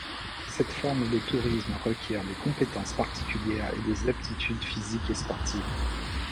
Cette forme de tourisme requiert des compétences particulières et des aptitudes physiques et sportives.